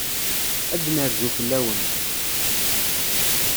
Ad d-nerzu fell-awen.